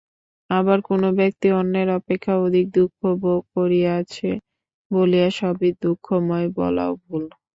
আবার কোন ব্যক্তি অন্যের অপেক্ষা অধিক দুঃখভোগ করিয়াছে বলিয়া সবই দুঃখময়, বলাও ভুল।